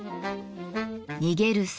逃げる猿。